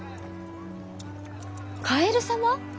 カエル様？